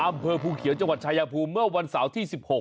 อำเภอภูเขียวจังหวัดชายภูมิเมื่อวันเสาร์ที่๑๖